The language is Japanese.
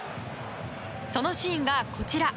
そのシーンがこちら。